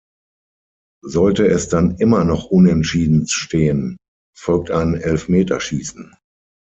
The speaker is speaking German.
Sollte es dann immer noch unentschieden stehen, folgt ein Elfmeterschießen.